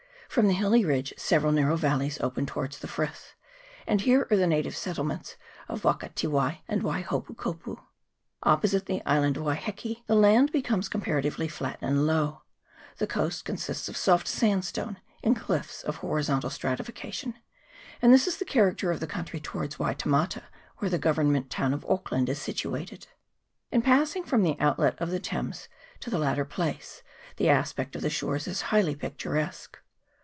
From the hilly ridge several narrow valleys open towards the frith, and here are the native settlements of Wakatiwai and Waihopu kopu. Opposite the island of Waiheke the land be comes comparatively flat and low ; the coast consists of soft sandstone, in cliffs of horizontal stratifica tion ; and this is the character of the country towards Waitemata, where the government town of Auckland is situated. In passing from the out let of the Thames to the latter place the aspect of the shores is highly picturesque.